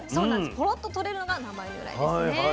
ポロッと取れるのが名前の由来ですね。